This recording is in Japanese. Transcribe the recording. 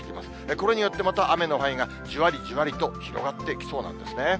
これによって、また雨の範囲がじわりじわりと広がってきそうなんですね。